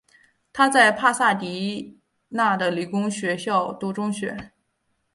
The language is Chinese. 他在帕萨迪娜的理工学校读中学。